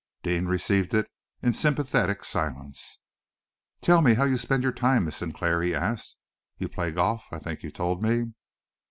Deane received it in sympathetic silence. "Tell me how you spend your time, Miss Sinclair?" he asked. "You play golf, I think you told me."